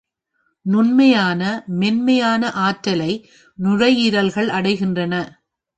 நுண்மையான மேன்மையான ஆற்றலை நுரையீரல்கள் அடைகின்றன.